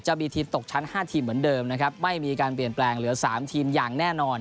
จะมีทีมตกชั้น๕ทีมเหมือนเดิมนะครับไม่มีการเปลี่ยนแปลงเหลือ๓ทีมอย่างแน่นอน